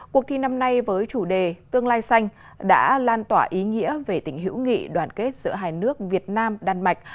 cuộc thi năm nay với chủ đề tương lai xanh đã lan tỏa ý nghĩa về tình hữu nghị đoàn kết giữa hai nước việt nam đan mạch